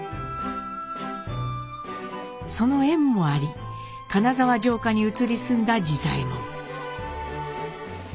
その縁もあり金沢城下に移り住んだ次左衛門。